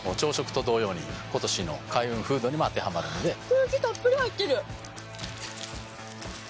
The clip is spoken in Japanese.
空気たっぷり入ってる！